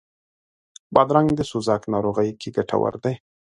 بادرنګ د سوزاک ناروغي کې ګټور دی.